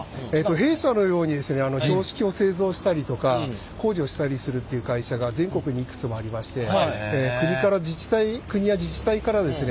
弊社のように標識を製造したりとか工事をしたりするっていう会社が全国にいくつもありましてなるほどね。